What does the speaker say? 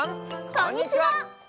こんにちは。